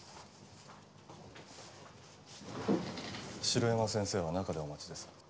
城山先生は中でお待ちです。